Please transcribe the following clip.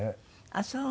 ああそう！